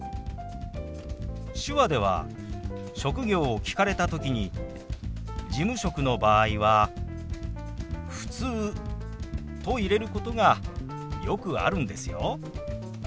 手話では職業を聞かれた時に事務職の場合は「ふつう」と入れることがよくあるんですよ。